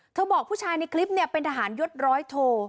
เธอบอกผู้ชายในคลิปเป็นทหารยศร้อยโท